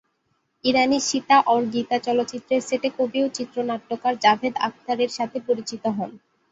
ইরানি "সীতা অউর গীতা" চলচ্চিত্রের সেটে কবি ও চিত্রনাট্যকার জাভেদ আখতারের সাথে পরিচিত হন।